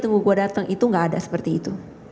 tunggu gue datang itu nggak ada seperti itu